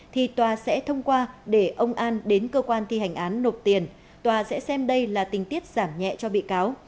thì tòa sẽ thông qua để ông an đến cơ quan thi hành án nộp tiền tòa sẽ xem đây là tình tiết giảm nhẹ cho bị cáo